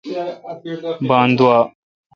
بان دووا۔